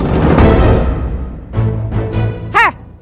emang kamu nggak pengen apa